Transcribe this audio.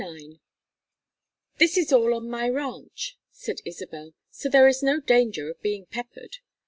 IX "This is all on my ranch," said Isabel; "so there is no danger of being peppered.